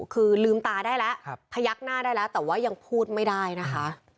คือลืมตาได้แล้วพยักหน้าได้แล้วแต่ว่ายังพูดไม่ได้นะคะ